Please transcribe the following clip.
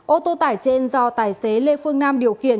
ô tô tải trên do tài xế lê phương nam điều khiển